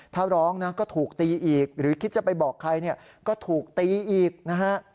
ถ้าร้องนะก็ถูกตีอีกหรือคิดจะไปบอกใครเนี่ยก็ถูกตีอีกนะฮะ